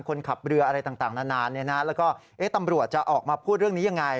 คนขับเรืออะไรต่างนานแล้วก็ตำรวจจะออกมาพูดเรื่องนี้ยังไง